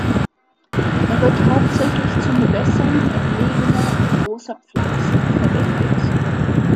Er wird hauptsächlich zum Bewässern entlegener und großer Pflanzen verwendet.